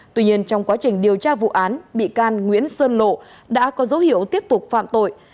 tuy nhiên trong quá trình điều tra vụ án bị can nguyễn sơn lộ đã có dấu hiệu tiếp tục phạm tội